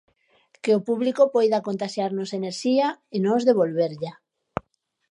Que o público poida contaxiarnos enerxía e nos devolverlla.